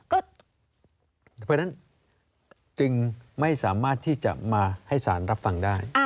เพราะฉะนั้นจึงไม่สามารถที่จะมาให้สารรับฟังได้